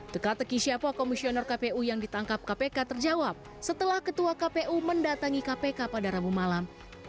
teka teki siapa komisioner kpu yang ditangkap kpk terjawab setelah ketua kpu mendatangi kpk pada rabu malam